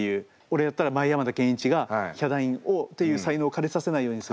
俺やったら前山田健一がヒャダインという才能をかれさせないようにする。